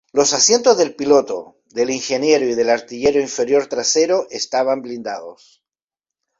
Los asientos del piloto, del ingeniero y del artillero inferior trasero estaban blindados.